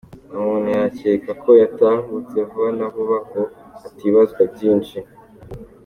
Umuntu yakeka ko yatahutse vuba na vuba ngo hatibazwa byinshi